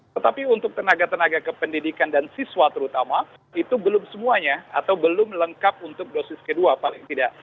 tetapi untuk tenaga tenaga kependidikan dan siswa terutama itu belum semuanya atau belum lengkap untuk dosis kedua paling tidak